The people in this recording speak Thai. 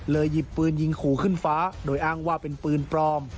หยิบปืนยิงขู่ขึ้นฟ้าโดยอ้างว่าเป็นปืนปลอม